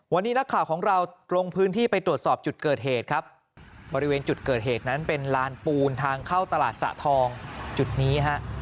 วันนี้นักข่าวของเราลงพื้นที่ไปตรวจสอบจุดเกิดเหตุครับบริเวณจุดเกิดเหตุนั้นเป็นลานปูนทางเข้าตลาดสะทองจุดนี้ฮะ